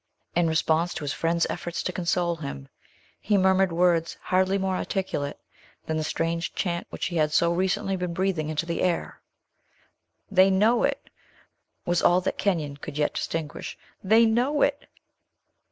In response to his friend's efforts to console him, he murmured words hardly more articulate than the strange chant which he had so recently been breathing into the air. "They know it!" was all that Kenyon could yet distinguish, "they know it!"